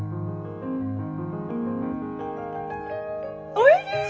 おいしい！